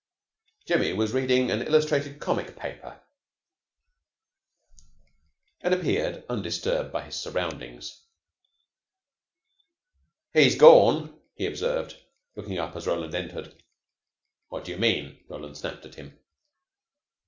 Jimmy was reading an illustrated comic paper, and appeared undisturbed by his surroundings. "He's gorn," he observed, looking up as Roland entered. "What do you mean?" Roland snapped at him.